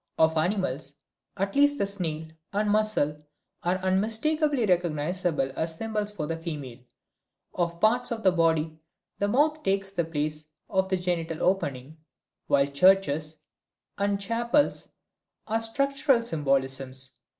Of animals, at least the snail and mussel are unmistakably recognizable as symbols for the female; of parts of the body the mouth takes the place of the genital opening, while churches and chapels are structural symbolisms.